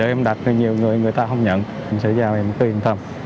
em đặt nhiều người người ta không nhận em sẽ giao em quyền tâm